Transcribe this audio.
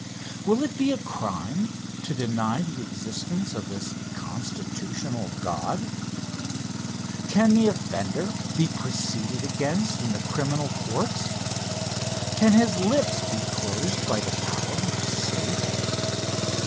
Will it be a crime to deny the existence of this constitutional God? Can the offender be proceeded against in the criminal courts? Can his lips be closed by the power of the state?